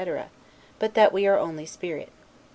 but that we are only spirit.